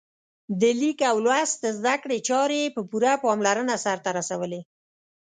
د لیک او لوست زده کړې چارې یې په پوره پاملرنه سرته رسولې.